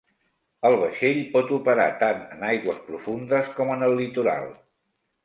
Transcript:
El vaixell pot operar tant en aigües profundes com en el litoral.